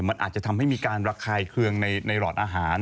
มันอาจจะทำให้มีการระคายเคืองในหลอดอาหาร